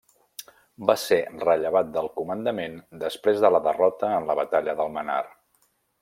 Va ser rellevat del comandament després de la derrota en la Batalla d'Almenar.